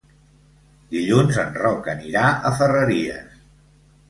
Dilluns en Roc anirà a Ferreries.